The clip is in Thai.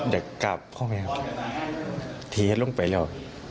เด็กกลับเข้าไปแล้วทีให้ลุ่งไปแล้ว